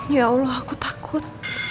ya allah aku takut